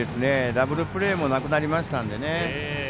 ダブルプレーもなくなりましたのでね。